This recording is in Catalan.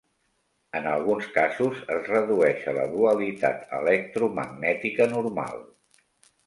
En alguns casos, es redueix a la dualitat electromagnètica normal.